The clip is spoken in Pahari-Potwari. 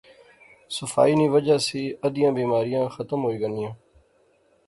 صفائی نی وجہ سی ادیاں بیماریاں ختم ہوئی غنیاں